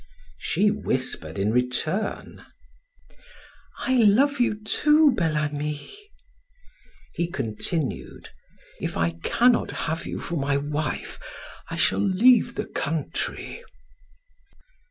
She whispered in return: "I love you too, Bel Ami." He continued: "If I cannot have you for my wife, I shall leave the country."